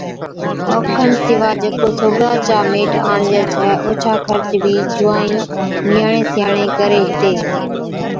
اوکن سِوا جڪو سوگا چا ميٽ آڻجَي ڇَي اوڇا خرچ بِي جُونوائِي (نِياڻي سِياڻي) ڪري ھِتي